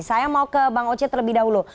saya mau ke bang oce terlebih dahulu